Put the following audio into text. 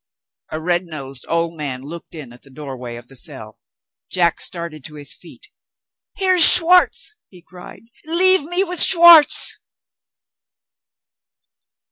A red nosed old man looked in at the doorway of the cell. Jack started to his feet. "Here's Schwartz!" he cried "leave me with Schwartz!"